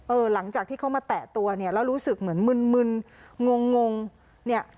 หลังจากที่เขามาแตะตัวเนี่ยแล้วรู้สึกเหมือนมึนมึนงงงงเนี่ย